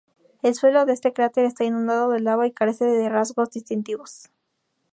El suelo de este cráter está inundado de lava y carece de rasgos distintivos.